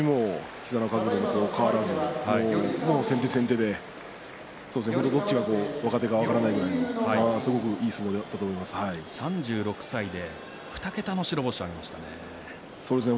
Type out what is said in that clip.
膝の角度も変わらず、先手先手でどちらが若手か分からないぐらい３６歳で２桁の白星ですね。